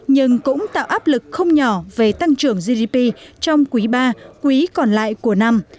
nhưng cũng tạo áp lực không nhỏ về tăng trưởng gdp trong quý ba quý còn lại của năm